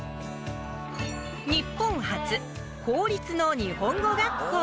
日本初！公立の日本語学校。